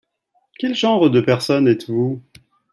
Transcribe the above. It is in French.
Quel genre de personne êtes-vous ?